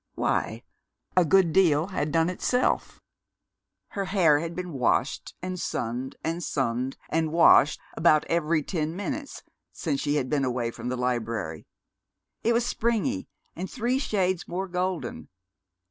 Why a good deal had done itself! Her hair had been washed and sunned and sunned and washed about every ten minutes since she had been away from the library. It was springy and three shades more golden.